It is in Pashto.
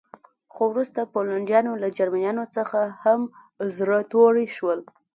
خو وروسته پولنډیان له جرمنانو څخه هم زړه توري شول